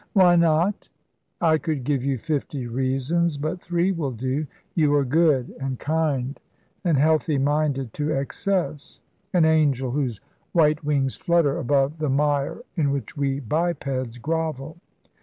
"Why not?" "I could give you fifty reasons, but three will do. You are good and kind and healthy minded to excess an angel, whose white wings flutter above the mire in which we bipeds grovel.